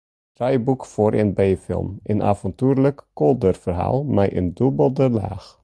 Draaiboek foar in b-film, in aventoerlik kolderferhaal, mei in dûbelde laach.